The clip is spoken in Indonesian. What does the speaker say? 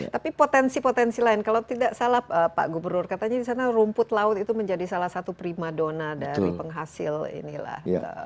tapi potensi potensi lain kalau tidak salah pak gubernur katanya di sana rumput laut itu menjadi salah satu prima dona dari penghasil inilah